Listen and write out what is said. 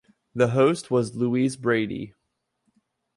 The host was Louise Brady.